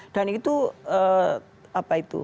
dan itu apa itu